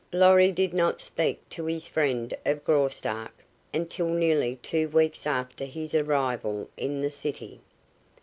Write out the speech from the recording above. Lorry did not speak to his friend of Graustark until nearly two weeks after his arrival in the city.